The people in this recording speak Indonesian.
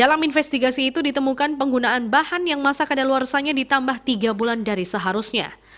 dalam investigasi itu ditemukan penggunaan bahan yang masa kadaluarsanya ditambah tiga bulan dari seharusnya